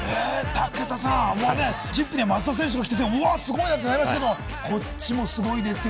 武田さん、『ＺＩＰ！』には松田選手が来てて、すごいなって思いましたけれども、こっちもすごいですよ。